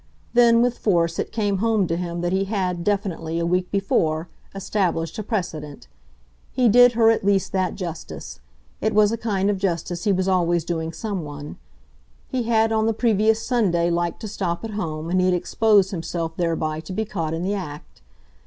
Then, with force, it came home to him that he had, definitely, a week before, established a precedent. He did her at least that justice it was a kind of justice he was always doing someone. He had on the previous Sunday liked to stop at home, and he had exposed himself thereby to be caught in the act.